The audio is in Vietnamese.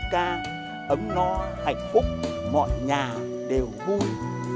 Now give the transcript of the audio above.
chúng ta ấm no hạnh phúc mọi nhà đều vui